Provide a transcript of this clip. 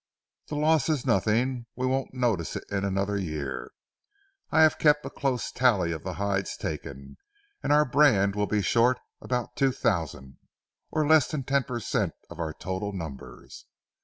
The loss is nothing; we won't notice it in another year. I have kept a close tally of the hides taken, and our brand will be short about two thousand, or less than ten per cent of our total numbers.